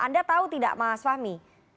anda tahu tidak mas fahmi